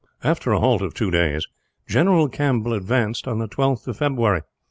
After a halt of two days, General Campbell advanced on the 12th of February.